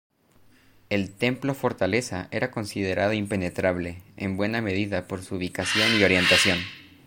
El templo-fortaleza era considerado impenetrable, en buena medida por su ubicación y orientación.